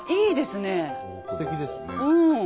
すてきですね。